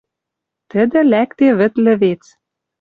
Тӹдӹ лӓкде вӹд лӹвец.